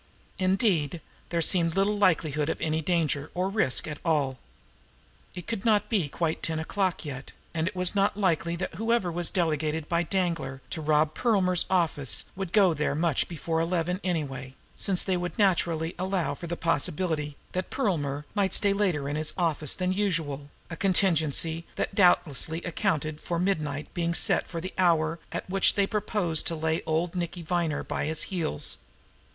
Indeed, there seemed little likelihood of any danger or risk at all. It could not be quite ten o clock yet; and it was not likely that whoever was delegated by Danglar to rob Perlmer's office would go there much before eleven anyway, since they would naturally allow for the possibility that Perlmer might stay later in his office than usual, a contingency that doubtless accounted for midnight being set as the hour at which they proposed to lay old Nicky Viner by the heels.